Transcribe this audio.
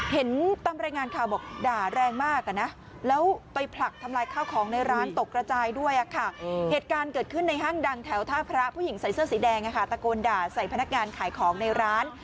เห็นตามรายงานข่าวบอกด่าแรงมากอ่ะนะแล้วไปผลักทำลายข้าวของในร้านตกกระจายด้วยค่ะเหตุการณ์เกิดขึ้นในห้างดังแถวท่าพระผู้หญิงใส่เสื้อสีแดงตะโกนด่าใส่พนักงานขายของในร้าน